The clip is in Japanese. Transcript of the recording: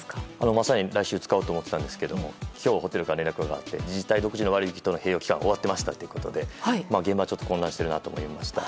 まさに来週使おうと思ってたんですけど今日ホテルから連絡があり自治体独自の割引との併用期間が終わっていたということで現場はちょっと混乱してるなと思いました。